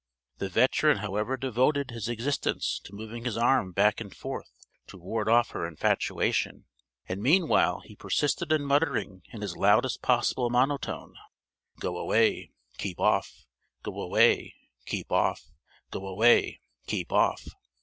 The veteran however devoted his existence to moving his arm back and forth to ward off her infatuation, and meanwhile he persisted in muttering in his loudest possible monotone: _Go away keep off! Go away keep off! Go away keep off!